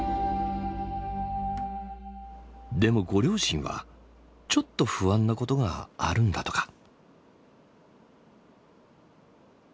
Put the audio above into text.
でもご両親はちょっと不安なことがあるんだとか。